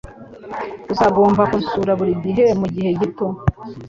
Uzagomba kunsura buri gihe mugihe gito.